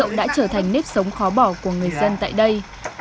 cũng đã trở thành nếp sống khó bỏ của người dân tại đây